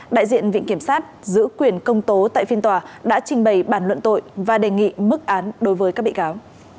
đại diện viện kiểm sát giữ quyền công tố tại phiên tòa đã trình bày bản luận tội và đề nghị mức án đối với các bị cáo